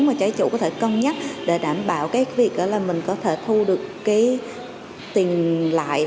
mà trái chủ có thể cân nhắc để đảm bảo cái việc là mình có thể thu được cái tiền lại